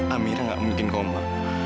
amir gak mungkin koma